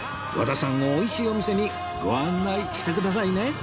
和田さんをおいしいお店にご案内してくださいね